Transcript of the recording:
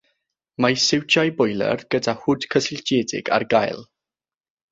Mae siwtiau bolier gyda hwd cysylltiedig ar gael.